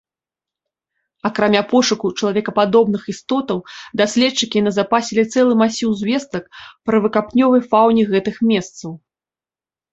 Акрамя пошуку чалавекападобных істотаў, даследчыкі назапасілі цэлы масіў звестак пра выкапнёвай фауне гэтых месцаў.